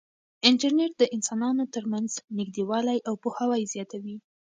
انټرنیټ د انسانانو ترمنځ نږدېوالی او پوهاوی زیاتوي.